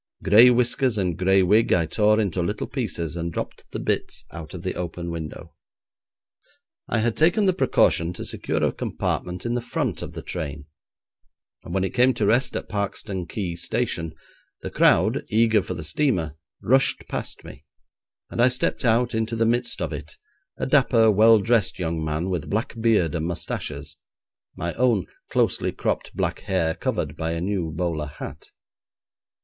Gray whiskers and gray wig I tore into little pieces, and dropped the bits out of the open window. I had taken the precaution to secure a compartment in the front of the train, and when it came to rest at Parkeston Quay Station, the crowd, eager for the steamer, rushed past me, and I stepped out into the midst of it, a dapper, well dressed young man, with black beard and moustaches, my own closely cropped black hair covered by a new bowler hat.